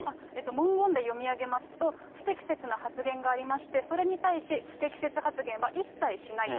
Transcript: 文言で読み上げますと、不適切な発言がありまして、それに対し、不適切発言は一切しないと。